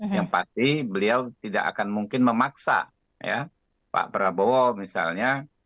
yang pasti beliau tidak akan mungkin memaksa pak prabowo misalnya